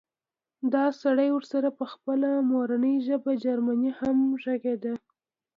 دا سړی ورسره په خپله مورنۍ ژبه جرمني هم غږېده